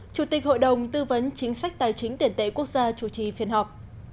chủ tịch hội đồng tư vấn chính sách tài chính tiền tệ quốc gia chủ trì phiên họp